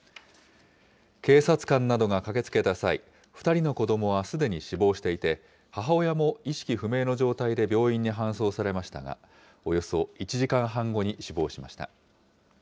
警察官などが駆けつけた際、２人の子どもはすでに死亡していて、母親も意識不明の状態で病院に搬送されましたが、およそ１時間半後に死亡しました。